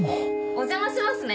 お邪魔しますね。